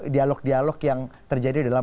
dialog dialog yang terjadi dalam